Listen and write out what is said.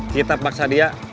kita paksa dia